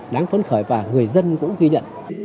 đáng phấn khởi và người dân cũng ghi nhận